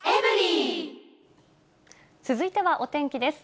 続いてはお天気です。